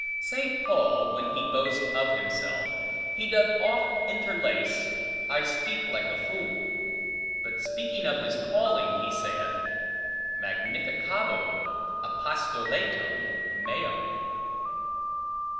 St. Paul, when he boasts of himself, he doth oft interlace, I speak like a fool; but speaking of his calling, he saith, magnificabo apostolatum meum.